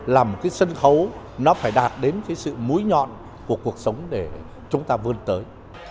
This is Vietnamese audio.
làm cái sân khấu nó phải đạt đến cái sự múi nhọn của cuộc sống để chúng ta vươn tới